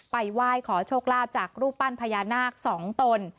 ไหว้ขอโชคลาภจากรูปปั้นพญานาค๒ตน